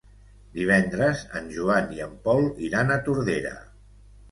Divendres en Joan i en Pol iran a Tordera.